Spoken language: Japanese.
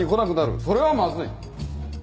それはまずい。